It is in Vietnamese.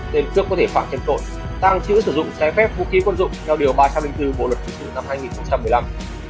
tên cướp có thể phạt chế tội tàng trữ sử dụng trái phép vũ khí quân dụng theo điều ba trăm linh bốn bộ luật thứ sự năm hai nghìn một mươi năm